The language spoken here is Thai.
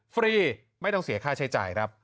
ฟรีไม่ต้องเสียค่าใช้จ่ายครับ